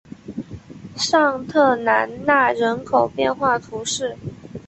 尚特兰讷人口变化图示